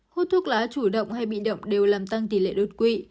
hút thuốc lá chủ động hay bị động đều làm tăng tỷ lệ đột quỵ